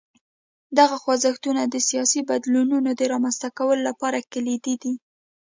دغه خوځښتونه د سیاسي بدلونونو د رامنځته کولو لپاره کلیدي دي.